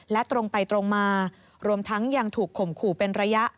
และตรงไปตรงมารวมทั้งยังถูกข่มขู่เป็นระยะ